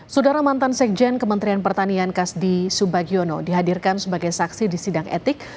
saudara mantan sekjen kementerian pertanian kasdi subagiono dihadirkan sebagai saksi di sidang etik